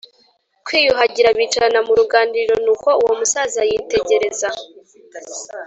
kwiyuhagira, bicarana mu ruganiriro nuko uwo musaza yitegereza